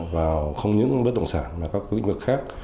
vào không những bất động sản mà các lĩnh vực khác